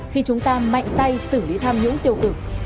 khi chúng ta mạnh tay xử lý tham nhũng tiêu cực